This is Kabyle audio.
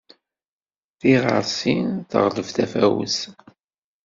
Tiɣɣersi teɣleb tafawet.